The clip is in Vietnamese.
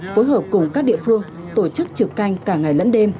phối hợp cùng các địa phương tổ chức trực canh cả ngày lẫn đêm